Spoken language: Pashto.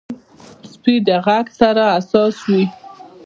سپي د غږ سره حساس وي.